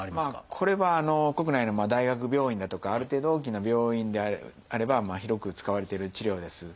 これは国内の大学病院だとかある程度大きな病院であれば広く使われてる治療です。